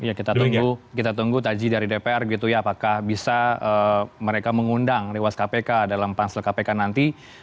ya kita tunggu kita tunggu taji dari dpr gitu ya apakah bisa mereka mengundang riwas kpk dalam pansel kpk nanti